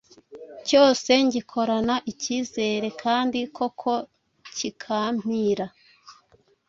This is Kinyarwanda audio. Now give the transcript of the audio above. cyose ngikorana ikizere, kandi koko kikampira.